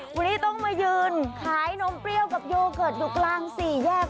วันนี้ต้องมายืนขายนมเปรี้ยวกับโยเกิร์ตอยู่กลางสี่แยก